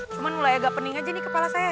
cuma mulai agak pening aja nih kepala saya